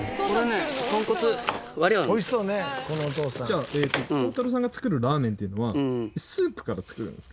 じゃあ耕太郎さんが作るラーメンっていうのはスープから作るんですか？